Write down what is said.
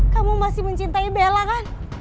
kamu masih mencintai bella kan